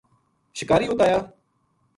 شکاری اُت آیا